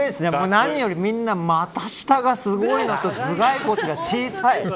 何より、股下がすごいのと頭蓋骨が小さい。